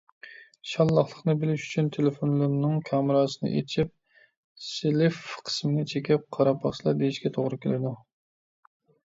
شاللاقلىقنى بىلىش ئۈچۈن تېلېفونلىرىنىڭ كامېراسىنى ئېچىپ self قىسمىنى چېكىپ قاراپ باقسىلا، دېيشكە توغرا كېلىدۇ.